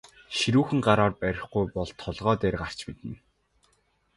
Ширүүхэн гараар барихгүй бол толгой дээр гарч мэднэ.